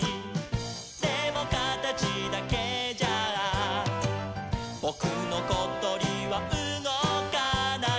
「でもかたちだけじゃぼくのことりはうごかない」